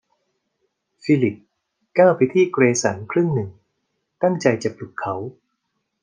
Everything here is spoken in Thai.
ฟิลิปก้าวไปที่เกรสันครึ่งหนึ่งตั้งใจจะปลุกเขา